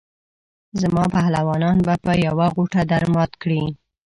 زما پهلوانان به په یوه غوټه درمات کړي.